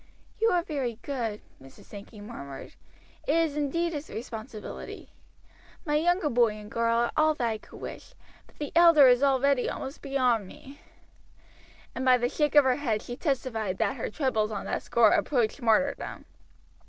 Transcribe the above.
"You are very good," Mrs. Sankey murmured. "It is indeed a responsibility. My younger boy and girl are all that I could wish, but the elder is already almost beyond me;" and by the shake of her head she testified that her troubles on that score approached martyrdom.